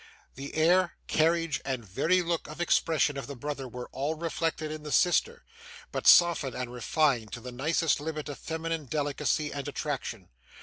The air, carriage, and very look and expression of the brother were all reflected in the sister, but softened and refined to the nicest limit of feminine delicacy and attraction.